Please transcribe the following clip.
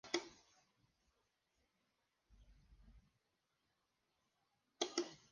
Así comienza un extraño enigma.